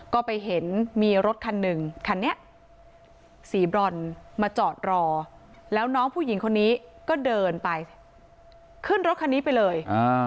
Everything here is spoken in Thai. ก็ไปเห็นมีรถคันหนึ่งคันนี้สีบรอนมาจอดรอแล้วน้องผู้หญิงคนนี้ก็เดินไปขึ้นรถคันนี้ไปเลย